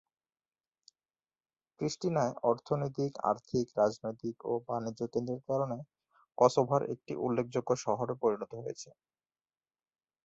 প্রিস্টিনায় অর্থনৈতিক, আর্থিক, রাজনৈতিক ও বাণিজ্য কেন্দ্রের কারণে কসোভোর একটি উল্লেখযোগ্য শহরে পরিণত হয়েছে।